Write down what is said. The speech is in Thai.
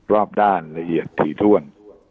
รอบด้านละเอียดถี่ถ้วน